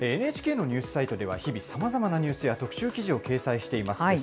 ＮＨＫのニュースサイトでは日々、さまざまなニュースや特集記事を掲載しています。